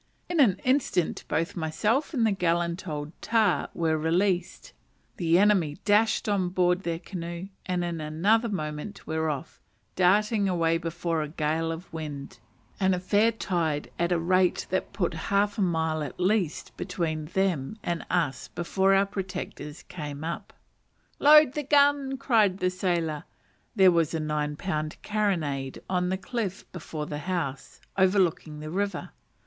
In an instant both myself and the gallant old tar were released; the enemy dashed on board their canoe, and in another moment were off, darting away before a gale of wind and a fair tide at a rate that put half a mile at least between them and us before our protectors came up. "Load the gun!" cried the sailor (there was a nine pound carronade on the cliff before the house, overlooking the river).